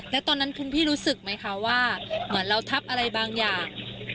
แล้วตอนนั้นคุณพี่รู้สึกไหมคะว่าเหมือนเราทับอะไรบางอย่าง